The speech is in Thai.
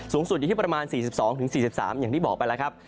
สูงสุดอยู่ที่ประมาณ๔๒๔๓อย่างที่บอกไปแล้วครับ